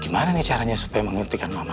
gimana nih caranya supaya menghentikan mama